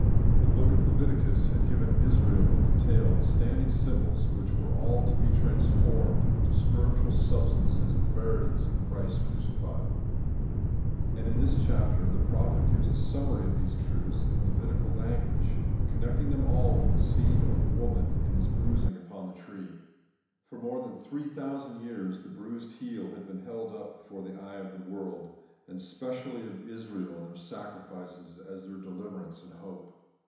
The book of Leviticus had given Israel in detail the standing symbols which were all to be trans formed into spiritual substances or verities in Christ crucified. And this chapter of the prophet gives a summary of these truths, in Levitical language, con necting them all with the seed of the woman, and His bruising upon the tree. For more than three thousand years the * bruised heel ' had been held up before the eye of the world, and specially of Israel (in their sacrifices), as their deliverance and hope.